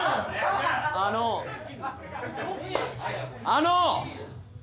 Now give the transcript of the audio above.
あの！